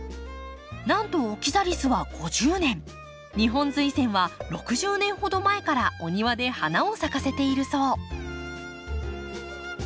なんとオキザリスは５０年ニホンズイセンは６０年ほど前からお庭で花を咲かせているそう。